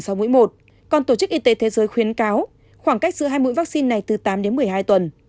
sau mũi một còn tổ chức y tế thế giới khuyến cáo khoảng cách giữa hai mũi vaccine này từ tám đến một mươi hai tuần